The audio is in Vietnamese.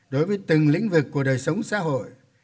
đối với từng lĩnh vực của đời sống xã hội